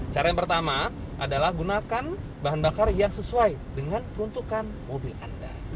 cara yang pertama adalah gunakan bahan bakar yang sesuai dengan peruntukan mobil anda